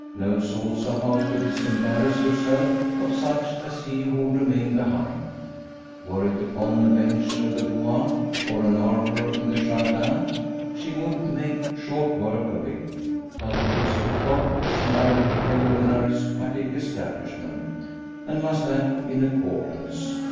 Knows also how to disembarrass herself of such as he who remained behind. Were it upon a bench of the Bois, or an arbour in the Jardin, she would make short work of it. But the ex cocotte is now at the head of an aristocratic establishment, and must act in accordance.